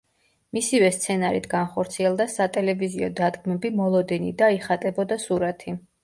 მისივე სცენარით განხორციელდა სატელევიზიო დადგმები „მოლოდინი“ და „იხატებოდა სურათი“.